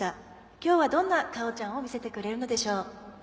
今日はどんなかおちゃんを見せてくれるのでしょう。